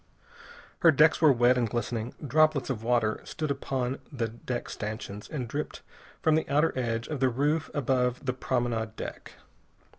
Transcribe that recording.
Her decks were wet and glistening. Droplets of water stood upon the deck stanchions, and dripped from the outer edge of the roof above the promenade deck.